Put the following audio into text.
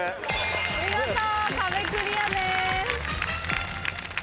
見事壁クリアです。